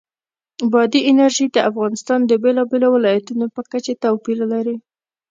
بادي انرژي د افغانستان د بېلابېلو ولایاتو په کچه توپیر لري.